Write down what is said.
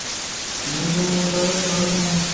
具薪资劳健保